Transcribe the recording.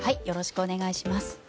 よろしくお願いします。